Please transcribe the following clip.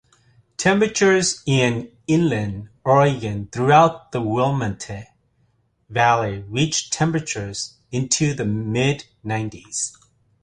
Temperatures in inland Oregon throughout the Willamette Valley reached temperatures into the mid-nineties.